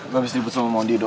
gue habis dibutsul mondi dok